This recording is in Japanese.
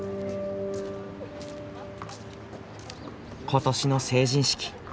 今年の成人式。